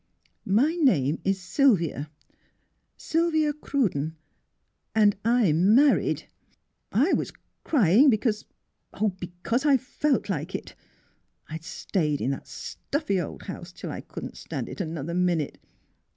'* My name is Sylvia — Sylvia Cruden, and I'm — married ! I was crying because — Oh, because I felt like it ! I'd stayed in that stuffy old house till I couldn't stand it another minute!